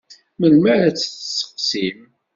Melmi ara tt-tesseqsim?